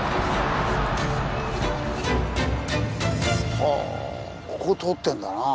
はあここ通ってんだなあ。